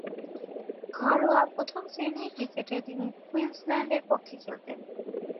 ঘরোয়া প্রথম-শ্রেণীর ক্রিকেটে তিনি কুইন্সল্যান্ডের পক্ষে খেলতেন।